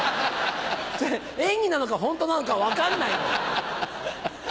演技なのかホントなのか分かんないのよ。